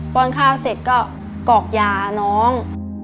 ้อนข้าวเสร็จก็กรอกยาน้อง